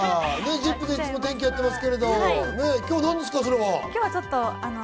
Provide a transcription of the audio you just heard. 『ＺＩＰ！』でいつも天気をやってますけど、今日はそれは何ですか？